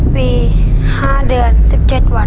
ปี๕เดือน๑๗วัน